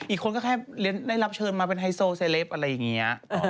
อีกคนก็แค่ได้รับเชิญมาเป็นไฮโซเซเลปอะไรอย่างนี้